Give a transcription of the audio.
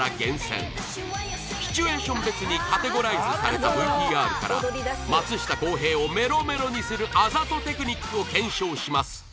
シチュエーション別にカテゴライズされた ＶＴＲ から松下洸平をメロメロにするあざとテクニックを検証します